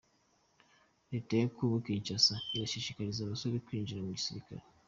Leta ya kongo Kinshasa irashishikariza abasore kwinjira mu gisirikare